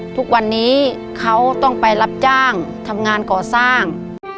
ทุกวันนี้เขาต้องไปรับจ้างทำงานก่อสร้าง